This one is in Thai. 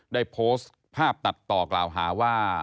ได้โพสต์ภาพตัดต่อกล่าวหาว่า